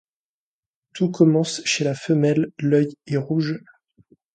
Tout comme chez la femelle, l'œil est rouge.